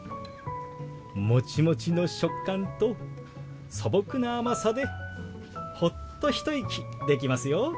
モチモチの食感と素朴な甘さでホッと一息できますよ。